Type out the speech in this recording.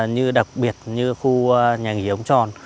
như đặc biệt như khu nhà nghỉ ống tròn